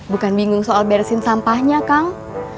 bukan bingung soal beresin sampahnya kang